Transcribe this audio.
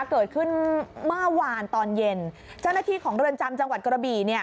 เกิดขึ้นเมื่อวานตอนเย็นเจ้าหน้าที่ของเรือนจำจังหวัดกระบี่เนี่ย